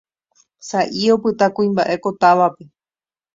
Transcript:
sa'i opyta kuimba'e ko távape